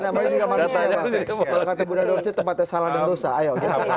ini namanya juga manusia pak kalau kata bunda dorje tempatnya salah dan dosa ayo